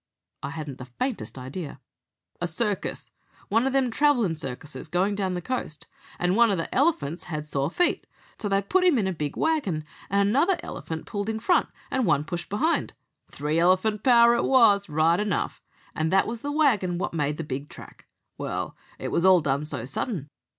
I hadn't the faintest idea. "A circus. One of them travellin' circuses, goin' down the coast; and one of the elephants had sore feet, so they put him in a big waggon, and another elephant pulled in front and one pushed behind. Three elephant power it was, right enough. That was the waggon wot made the big track. Well, it was all done so sudden.